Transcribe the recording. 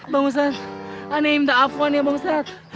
bang ustadz ane minta apuan ya bang ustadz